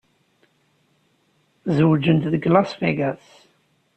Zewǧent deg Las Vegas.